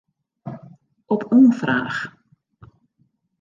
Op oanfraach.